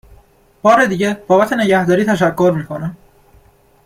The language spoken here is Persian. بار دیگه بابت نگهداری تشکر میکنم